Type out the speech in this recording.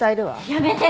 やめて！